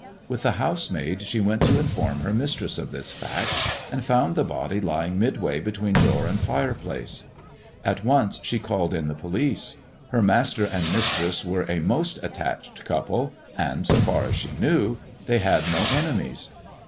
With the housemaid she went to inform her mistress of this fact, and found the body lying midway between door and fireplace. At once she called in the police. Her master and mistress were a most attached couple, and (so far as she knew) they had no enemies.